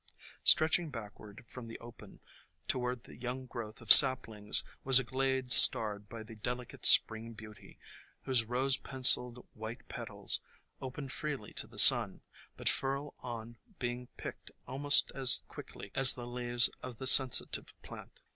Stretching backward from the open toward the young growth of saplings was a glade starred by the delicate Spring Beauty, whose rose penciled white petals open freely to the sun, but furl on being picked almost as quickly as the leaves of the Sensi tive Plant.